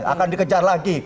akan dikejar lagi